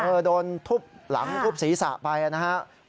โดนทุบหลังทุบศีรษะไปนะครับ